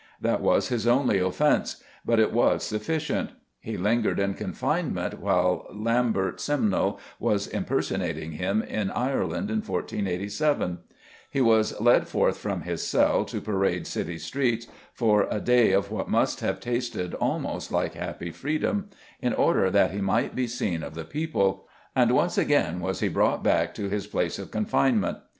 That was his only offence, but it was sufficient; he lingered in confinement while Lambert Simnel was impersonating him in Ireland in 1487; he was led forth from his cell to parade city streets, for a day of what must have tasted almost like happy freedom, in order that he might be seen of the people; and once again was he brought back to his place of confinement.